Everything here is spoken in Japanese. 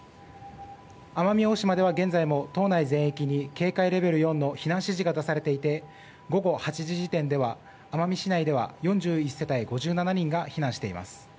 奄美大島では現在も島内全域に警戒レベル４の避難指示が出されていて午後８時時点では、奄美市内では４１世帯５７人が避難しています。